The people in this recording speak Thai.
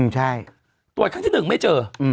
ปรากฏครั้งที่๑ไม่เจอ